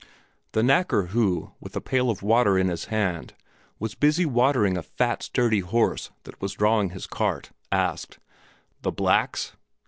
The knacker who, with a pail of water in his hand, was busy watering a fat, sturdy horse that was drawing his cart asked "The blacks?"